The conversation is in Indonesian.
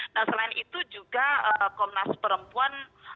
nah selain itu juga komnas perempuan